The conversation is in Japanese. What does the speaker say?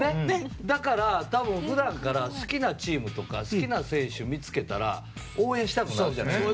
だから多分、普段から好きなチームとか好きな選手見つけたら応援したくなるじゃないですか。